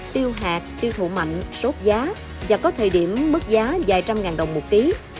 tiêu hạt tiêu thụ mạnh sốt giá và có thời điểm mức giá vài trăm ngàn đồng một ký